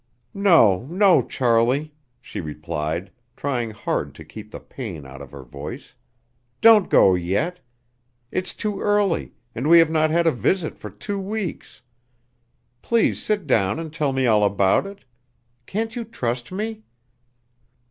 "No, no, Charlie," she replied, trying hard to keep the pain out of her voice: "don't go yet! It's too early, and we have not had a visit for two weeks. Please sit down and tell me all about it. Can't you trust me?"